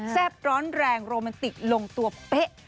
แซ่บร้อนแรงโรมันติกลงตัวเป๊ะ